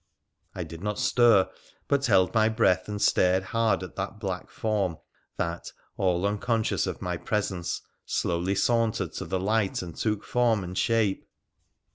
I did not stir, but held my breath and stared hard at that black form, that, all unconscious of my presence, slowly sauntered to the light and took form and shape.